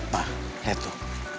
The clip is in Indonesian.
nah lihat tuh